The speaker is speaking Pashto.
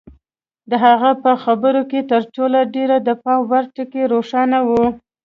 د هغه په خبرو کې تر ټولو ډېر د پام وړ ټکی روښانه و.